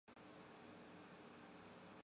反码是一种在计算机中数的机器码表示。